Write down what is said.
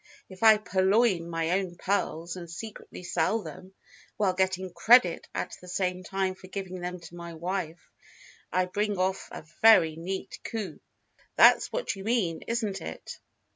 If I purloin my own pearls, and secretly sell them, while getting credit at the same time for giving them to my wife, I bring off a very neat coup. That's what you mean, isn't it?"